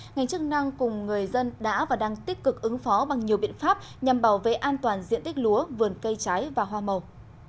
ngành chức năng cùng người dân đã và đang tích cực ứng phó bằng nhiều biện pháp nhằm bảo vệ an toàn diện tích lúa vườn cây trái và hoa màu